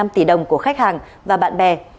năm tỷ đồng của khách hàng và bạn bè